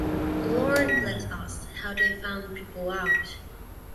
Lord bless us, how they find people out!